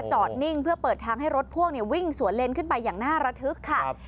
นิ่งเพื่อเปิดทางให้รถพ่วงวิ่งสวนเลนขึ้นไปอย่างหน้าระทึกค่ะ